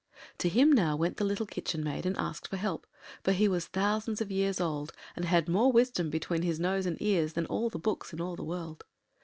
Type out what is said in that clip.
To him now went the little Kitchen Maid, and asked for help, for he was thousands of years old, and had more wisdom between his nose and ears than all the books in all the world.